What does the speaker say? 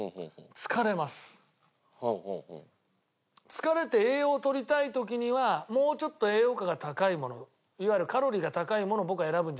疲れて栄養をとりたい時にはもうちょっと栄養価が高いものいわゆるカロリーが高いものを僕は選ぶんじゃないかと思うんですよ。